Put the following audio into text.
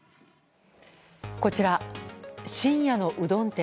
こちら、深夜のうどん店。